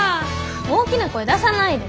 大きな声出さないで。